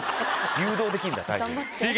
誘導できるんだ。